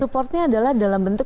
supportnya adalah dalam bentuk